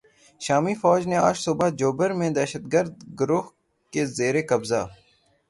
شامی فوج نے آج صبح "جوبر" میں دہشتگرد گروہ کے زیر قبضہ